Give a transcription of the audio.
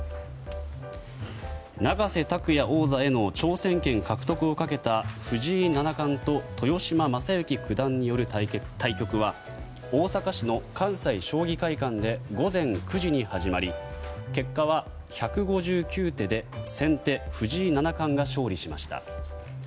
永瀬拓矢王座への挑戦権獲得をかけた藤井七冠と豊島将之九段による対局は大阪市の関西将棋会館で午前９時に始まり結果は１５９手で先手藤井七冠が勝利しました。